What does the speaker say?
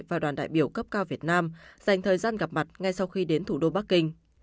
và đoàn đại biểu cấp cao việt nam dành thời gian gặp mặt ngay sau khi đến